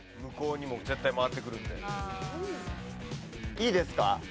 いいですか？